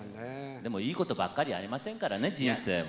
でもいいことばっかりありませんからね人生も。